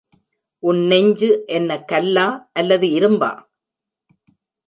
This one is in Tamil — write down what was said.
உன் நெஞ்சு என்ன கல்லா அல்லது இரும்பா?